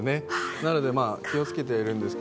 なので気を付けてはいるんですが。